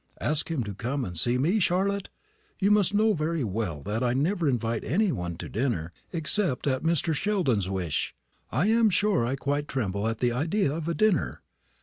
"Ask him to come and see me, Charlotte! You must know very well that I never invite any one to dinner except at Mr. Sheldon's wish. I am sure I quite tremble at the idea of a dinner.